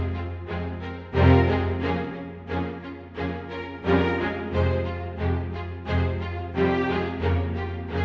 dibantuin sama miss kiki